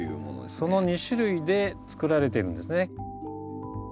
その２種類で作られているんですね。